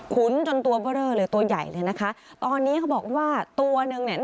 จนตัวเบอร์เรอเลยตัวใหญ่เลยนะคะตอนนี้เขาบอกว่าตัวนึงเนี่ย